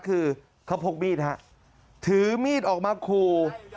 เขาพกมีดถือมีดออกมาคู